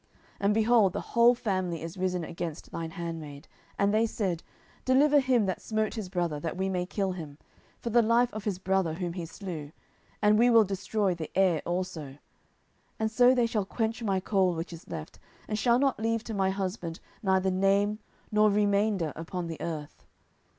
10:014:007 And, behold, the whole family is risen against thine handmaid, and they said, Deliver him that smote his brother, that we may kill him, for the life of his brother whom he slew; and we will destroy the heir also: and so they shall quench my coal which is left, and shall not leave to my husband neither name nor remainder upon the earth.